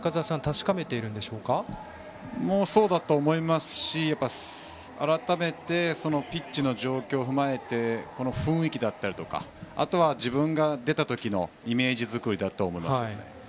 それもそうだと思いますし改めてピッチの状況を踏まえて雰囲気だったりあとは自分が出た時のイメージ作りだと思います。